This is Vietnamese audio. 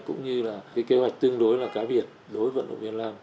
cũng như là kế hoạch tương đối là cá biệt đối với vận động viên lan